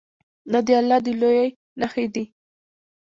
دا د الله د لویۍ نښې دي.